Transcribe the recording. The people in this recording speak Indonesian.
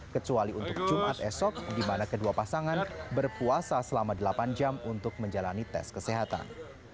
kecuali untuk jumat esok di mana kedua pasangan berpuasa selama delapan jam untuk menjalani tes kesehatan